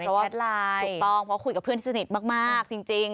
ก็ต้องไปกับเพื่อนสนิทมากจริงจริง